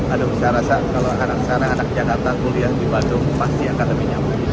ada bisa rasa kalau sekarang anak jakarta kuliah di bandung pasti akan lebih nyaman